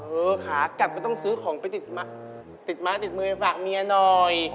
ขากลับก็ต้องซื้อของไปติดม้าติดมือไปฝากเมียหน่อย